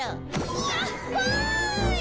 いやっほい！